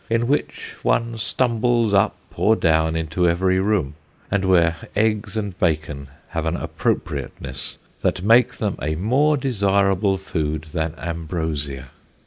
in which one stumbles up or down into every room, and where eggs and bacon have an appropriateness that make them a more desirable food than ambrosia.